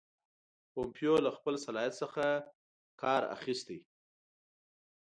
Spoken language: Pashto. پومپیو له خپل صلاحیت څخه کار اخیستی.